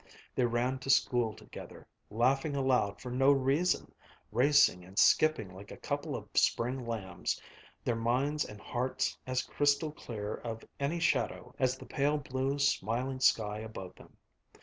They ran to school together, laughing aloud for no reason, racing and skipping like a couple of spring lambs, their minds and hearts as crystal clear of any shadow as the pale blue, smiling sky above them.